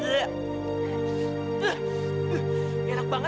kalau kalian mau minta iklan juga